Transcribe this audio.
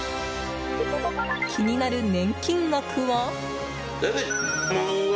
気になる年金額は？